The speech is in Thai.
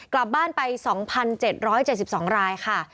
กลับบ้านไป๒๗๗๒รายค่ะ